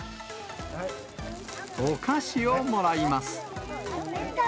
お菓子をもらいます。